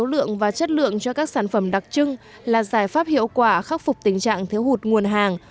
lượng và chất lượng cho các sản phẩm đặc trưng là giải pháp hiệu quả khắc phục tình trạng thiếu hụt nguồn hàng